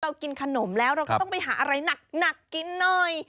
กินขนมแล้วเราก็ต้องไปหาอะไรหนักกินหน่อย